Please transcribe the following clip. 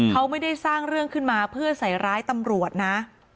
เขาไม่ได้สร้างเรื่องขึ้นมาเพื่อใส่ร้ายตำรวจนะ